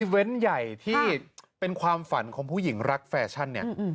เว้นใหญ่ที่เป็นความฝันของผู้หญิงรักแฟชั่นเนี่ย